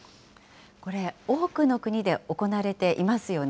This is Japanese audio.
これ、多くの国で行われていますよね。